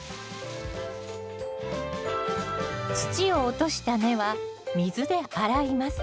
土を落とした根は水で洗います。